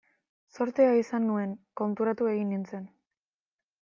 Zortea izan nuen, konturatu egin nintzen.